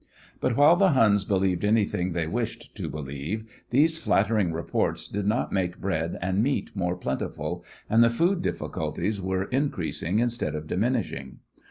But while the Huns believed anything they wished to believe these flattering reports did not make bread and meat more plentiful, and the food difficulties were increasing instead of diminishing.